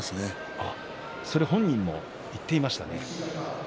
それは本人も言っていましたね。